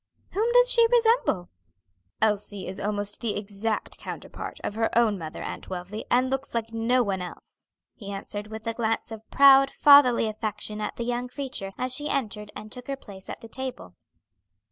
"Whom does she resemble?" "Elsie is almost the exact counterpart of her own mother, Aunt Wealthy, and looks like no one else," he answered, with a glance of proud fatherly affection at the young creature as she entered and took her place at the table.